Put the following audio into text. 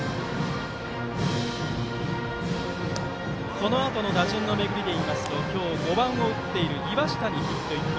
このあとの打順の巡りで言いますと今日５番を打っている岩下にヒット１本。